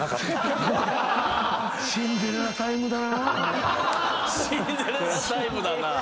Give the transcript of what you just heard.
「シンデレラタイムだなぁ」